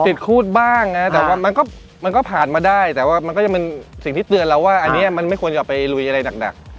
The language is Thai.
ครูดบ้างนะแต่ว่ามันก็ผ่านมาได้แต่ว่ามันก็จะเป็นสิ่งที่เตือนเราว่าอันนี้มันไม่ควรจะไปลุยอะไรหนัก